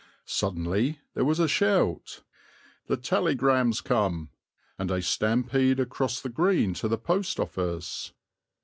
Suddenly there was a shout, "The talleygram's come!" and a stampede across the green to the post office.